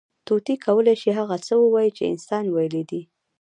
طوطي کولی شي، هغه څه ووایي، چې انسان ویلي دي.